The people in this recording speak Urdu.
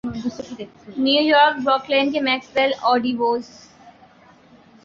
نیو یارک بروکلین کے میکسویل آرڈی ووز